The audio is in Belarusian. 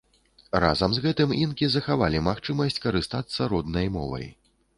Разам з гэтым, інкі захавалі магчымасць карыстацца роднай мовай.